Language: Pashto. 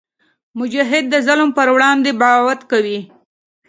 مجاهد د ظلم پر وړاندې بغاوت کوي.